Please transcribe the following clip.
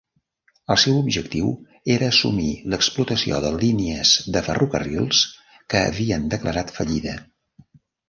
El seu objectiu era assumir l'explotació de línies de ferrocarrils que havien declarat fallida.